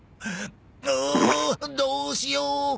ううどうしよう！